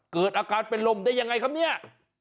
เกิดอาการเป็นลมได้ยังไงครับเนี่ย